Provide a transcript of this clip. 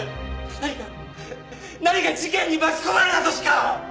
何か何か事件に巻き込まれたとしか！